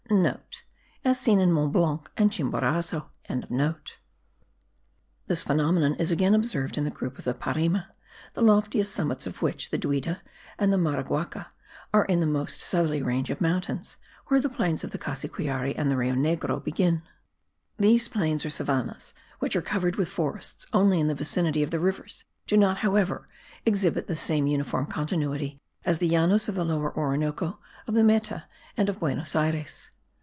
(* As seen in Mont Blanc and Chimborazo.) This phenomenon is again observed in the group of the Parime, the loftiest summits of which, the Duida and the Maraguaca, are in the most southerly range of mountains, where the plains of the Cassiquiare and the Rio Negro begin. These plains or savannahs which are covered with forests only in the vicinity of the rivers do not, however, exhibit the same uniform continuity as the Llanos of the Lower Orinoco, of the Meta and of Buenos Ayres.